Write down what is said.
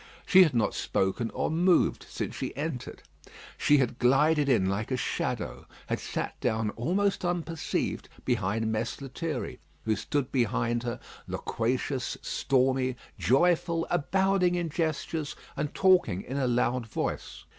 She had not spoken or moved since she entered. She had glided in like a shadow, had sat down almost unperceived behind Mess Lethierry, who stood before her, loquacious, stormy, joyful, abounding in gestures, and talking in a loud voice.